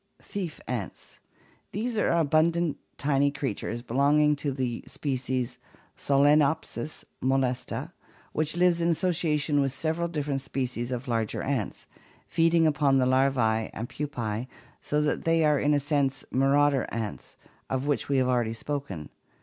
Thief ants. These are abundant tiny creatures, belonging to the species Solcnopsis molesta, which live in association with several different species of larger ants, feeding upon the larvae and pupae, so that they are in a sense marauder ants, of which we have already spoken.